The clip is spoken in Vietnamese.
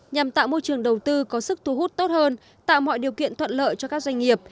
nhằm tạo môi trường đầu tư có sức thu hút tốt hơn tạo mọi điều kiện thuận lợi cho các doanh nghiệp